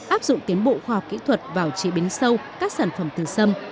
áp dụng tiến bộ khoa học kỹ thuật vào trị bến sâu các sản phẩm từ sâm